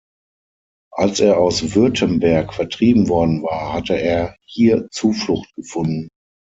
Als er aus Württemberg vertrieben worden war, hatte er hier Zuflucht gefunden.